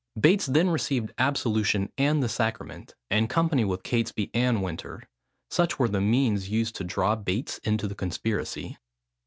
Bates then received absolution and the sacrament, in company with Catesby and Winter. Such were the means used to draw Bates into the conspiracy.